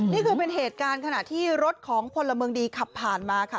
นี่คือเป็นเหตุการณ์ขณะที่รถของพลเมืองดีขับผ่านมาค่ะ